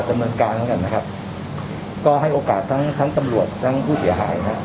ดำเนินการแล้วกันนะครับก็ให้โอกาสทั้งทั้งตำรวจทั้งผู้เสียหายนะ